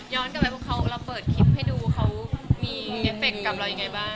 กลับไปเพราะเราเปิดคลิปให้ดูเขามีเอฟเฟคกับเรายังไงบ้าง